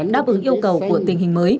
đáp ứng yêu cầu của tình hình mới